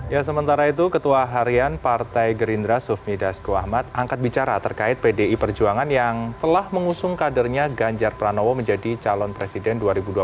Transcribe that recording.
ya sementara itu ketua harian partai gerindra sufmi dasgu ahmad angkat bicara terkait pdi perjuangan yang telah mengusung kadernya ganjar pranowo menjadi calon presiden